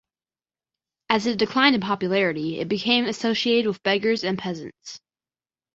As it declined in popularity, it became associated with beggars and peasants.